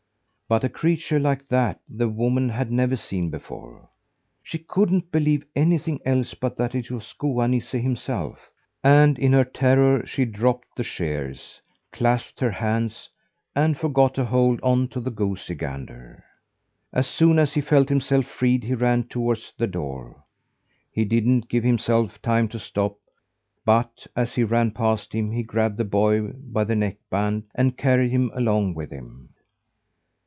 But a creature like that the woman had never seen before. She couldn't believe anything else but that it was Goa Nisse himself; and in her terror she dropped the shears, clasped her hands and forgot to hold on to the goosey gander. As soon as he felt himself freed, he ran toward the door. He didn't give himself time to stop; but, as he ran past him, he grabbed the boy by the neck band and carried him along with him.